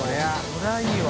これはいいわ。